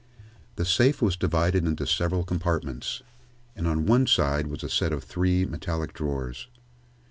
The safe was divided into several compartments, and on one side was a set of three metallic drawers.